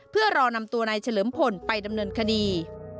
เพื่อรอนำตัวนายเฉลิมพลไปดำเนินคดี